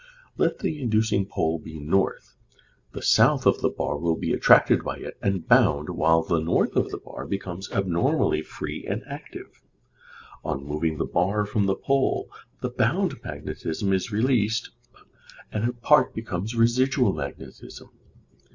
Let the inducing pole be N.; the S. of the bar will be attracted by it and bound, while the N. of the bar becomes abnormally free and active. On moving the bar from the pole the bound magnetism is released and a part becomes residual magnetism.